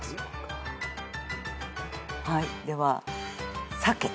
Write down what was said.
はいでは。